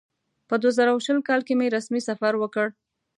په دوه زره شل کال کې مې رسمي سفر وکړ.